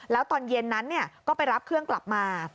แล้วตอนเย็นนั้นก็ไปรับเครื่องกลับมา